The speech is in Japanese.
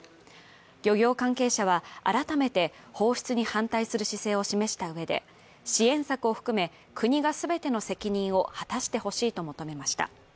漁業関係者は改めて放出に反対する姿勢を示したうえで支援策を含め、国が全ての責任を果たしてほしいと述べました。